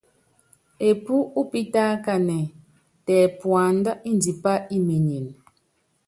Epú upítákanɛ́, tɛ puanda ndipá imenyen.